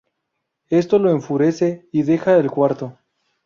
Esto lo enfurece y deja el cuarto.